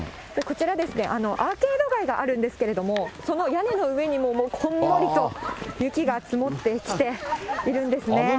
こちらですね、アーケード街があるんですけれども、その屋根の上にも、もうこんもりと雪が積もってきているんですね。